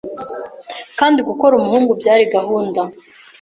Kandi gukora umuhungu Byari gahunda